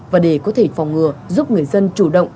và để có thể phòng ngừa giúp người dân chủ động